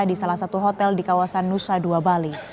di salah satu hotel di kawasan nusa dua bali